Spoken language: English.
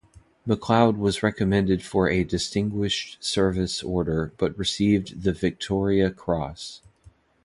McLeod was recommended for a Distinguished Service Order but received the Victoria Cross.